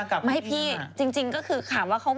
เขาเหมือนแบบว่า